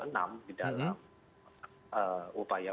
di dalam upaya